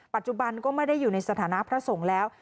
ปัจจุบันก็ไม่ได้อยู่ในสถานะพระสงฆ์แล้ว